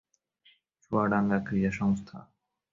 চুয়াডাঙ্গা ক্রীড়া সংস্থা